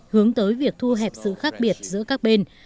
hướng tới việc thu hẹp sự khác biệt giữa các bên